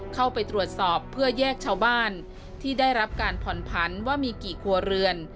เข้าไปตรวจสอบเพื่อแยกชาวบ้านที่ได้รับการผ่อนผันว่ามีกี่ครัวเรือน